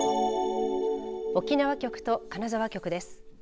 沖縄局と金沢局です。